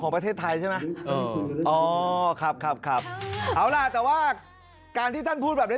ประเทศไทยใช่ไหมเอออ๋อครับครับเอาล่ะแต่ว่าการที่ท่านพูดแบบนี้